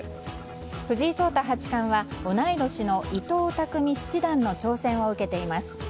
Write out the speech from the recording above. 藤井聡太八冠は同い年の伊藤匠七段の挑戦を受けています。